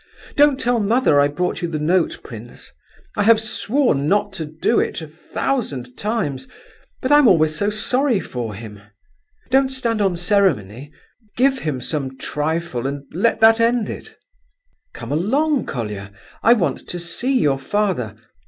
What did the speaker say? Don't tell mother I brought you the note, prince; I have sworn not to do it a thousand times, but I'm always so sorry for him. Don't stand on ceremony, give him some trifle, and let that end it." "Come along, Colia, I want to see your father.